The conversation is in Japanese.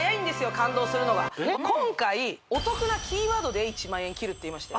感動するのが今回お得なキーワードで１万円切るって言いましたよ